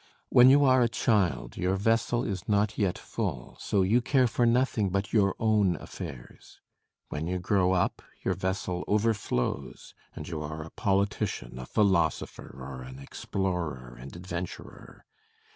When you are a child your vessel is not yet full; so you care for nothing but your own affairs. When you grow up, your vessel overflows; and you are a politician, a philosopher, or an explorer and adventurer.